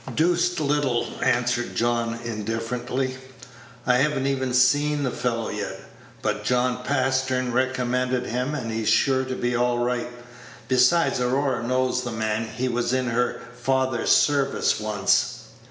"Doosed little," answered John indifferently. "I have n't even seen the fellow yet; but John Pastern recommended him, and he's sure to be all right; besides, Aurora knows the man; he was in her father's service once."